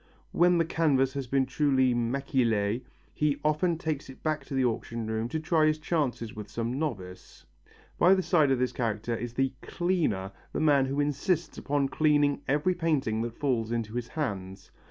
When the canvas has been duly maquillé he often takes it back to the auction room to try his chances with some novice. By the side of this character is the "cleaner," the man who insists upon cleaning every painting that falls into his hands.